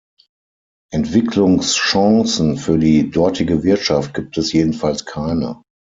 Entwicklungschancen für die dortige Wirtschaft gibt es jedenfalls keine.